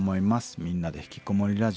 「みんなでひきこもりラジオ」